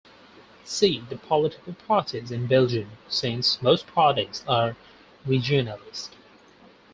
See the Political parties in Belgium, since most parties are regionalist.